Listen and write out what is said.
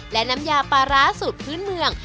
และน้ำยาปลาร้าสูตรพื้นเมือง